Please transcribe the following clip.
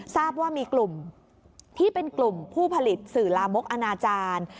ทราบว่ามีกลุ่มที่เป็นกลุ่มผู้ผลิตสื่อลามกอนาจารย์